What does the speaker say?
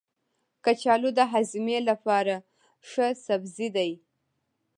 کچالو د هاضمې لپاره ښه سبزی دی.